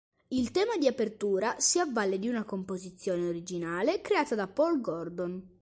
Il tema di apertura si avvale di una composizione originale creata da Paul Gordon.